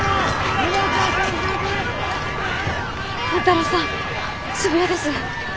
万太郎さん渋谷です。